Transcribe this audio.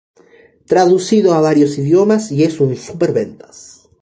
Traducido a varios idiomas y es un superventas.